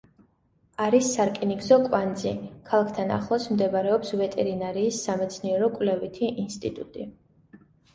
არის სარკინიგზო კვანძი, ქალაქთან ახლოს მდებარეობს ვეტერინარიის სამეცნიერო-კვლევითი ინსტიტუტი.